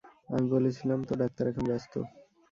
আমি বলেছিলাম তো, ডাক্তার এখন ব্যস্ত।